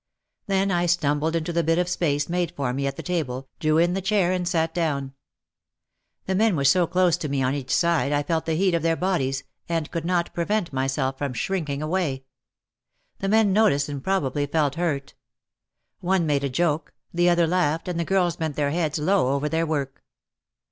Then I stumbled into the bit of space made for me at the table, drew in the char and sat down. The men were so close to me on each side I felt the heat of their bodies and could not prevent myself from shrinking away. The men noticed and probably felt hurt. One made a joke, the other laughed and the girls bent their heads low over their work.